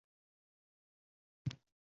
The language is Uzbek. Bandalaringdan ham Xudoyim.